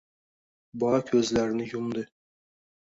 Bola koʻzlarini yumdi.